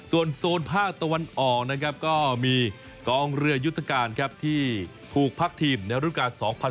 ส่วนโซนภาคตะวันออกนะครับก็มีกองเรือยุทธการครับที่ถูกพักทีมในรุ่นการ๒๐๑๖